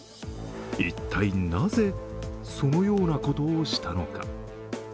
一体なぜそのようなことをしたのか。